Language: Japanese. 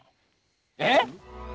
えっ！？